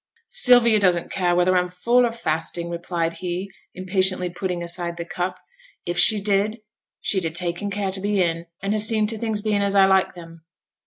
'Sylvia doesn't care whether I'm full or fasting,' replied he, impatiently putting aside the cup. 'If she did she'd ha' taken care to be in, and ha' seen to things being as I like them.'